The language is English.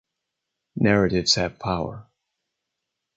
Narratives have power.